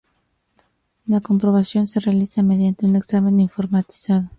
La comprobación se realiza mediante un examen informatizado.